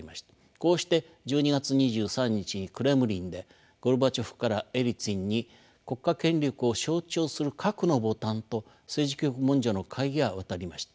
こうして１２月２３日にクレムリンでゴルバチョフからエリツィンに国家権力を象徴する核のボタンと政治局文書の鍵が渡りました。